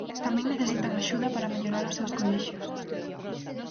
Tamén necesitan axuda para mellorar os seus colexios.